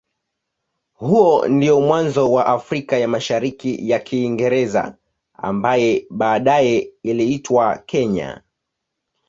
Huo ndio mwanzo wa Afrika ya Mashariki ya Kiingereza ambaye baadaye iliitwa Kenya.